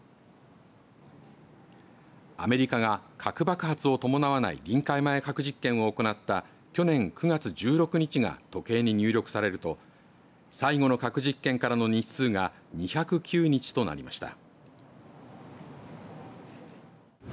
アメリカが核爆発を伴わない臨界前核実験を行った去年９月１６日が時計に入力されると最後の核実験からの日数が２０９日となりました。